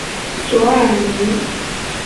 索尔尼。